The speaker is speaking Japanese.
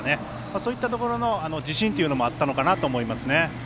そういったところの自信というのもあったのかなと思いますね。